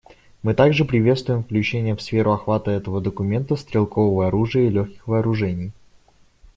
Мы также приветствуем включение в сферу охвата этого документа стрелкового оружия и легких вооружений.